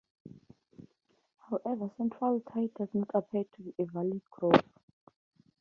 However, Central Tai does not appear to be a valid group.